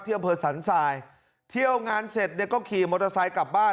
อำเภอสันทรายเที่ยวงานเสร็จเนี่ยก็ขี่มอเตอร์ไซค์กลับบ้าน